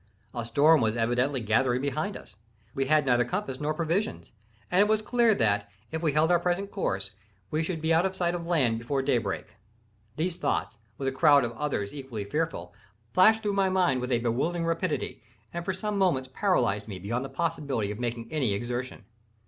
A storm was evidently gathering behind us; we had neither compass nor provisions; and it was clear that, if we held our present course, we should be out of sight of land before daybreak. These thoughts, with a crowd of others equally fearful, flashed through my mind with a bewildering rapidity, and for some moments paralyzed me beyond the possibility of making any exertion.